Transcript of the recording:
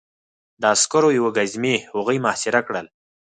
د عسکرو یوې ګزمې هغوی محاصره کړل